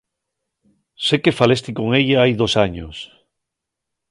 Sé que falesti con ella hai dos años.